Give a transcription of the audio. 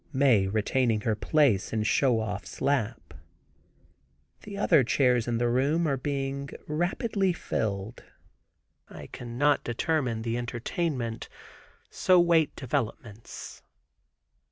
Mae retaining her place in Show Off's lap. The other chairs in the room are being rapidly filled. I cannot determine the entertainment so wait developments.